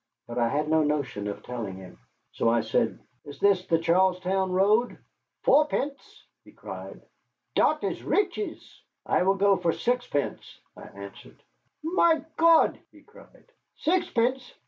Now I had no notion of telling him. So I said: "Is this the Charlestown road?" "Fourpence!" he cried, "dot is riches." "I will go for sixpence," I answered. "Mein Gott!" he cried, "sixpence.